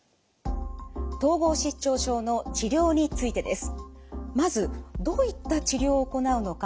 統合失調症の治療についてです。